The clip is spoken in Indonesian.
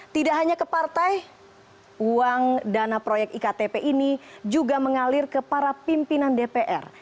tidak hanya ke partai uang dana proyek iktp ini juga mengalir ke para pimpinan dpr